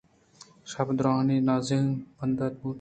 شپ ءِ دردانی نارگ بندات بوت